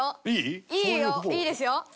いいよいいですよ。